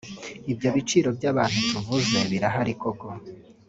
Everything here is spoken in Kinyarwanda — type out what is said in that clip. Ibyo byiciro by’abantu tuvuze birahari koko